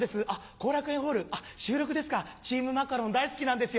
「後楽園ホール収録ですかチームマカロン大好きなんですよ。